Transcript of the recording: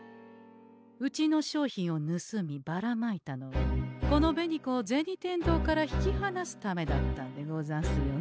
うちの商品をぬすみばらまいたのはこの紅子を銭天堂から引きはなすためだったんでござんすよね？